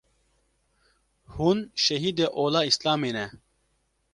hûn şehîdê ola Îslamê ne